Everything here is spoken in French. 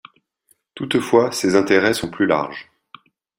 Toutefois, ses intérêts sont plus larges.